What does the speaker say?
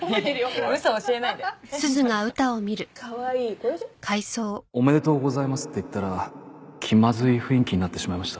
これでしょ？おめでとうございますって言ったら気まずい雰囲気になってしまいました。